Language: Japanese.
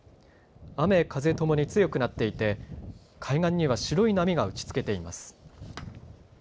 雨、風ともに強くなっていて海岸には白い波が打ちつけています。